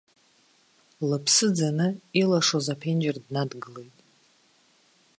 Лыԥсы ӡаны илашоз аԥенџьыр днадгылеит.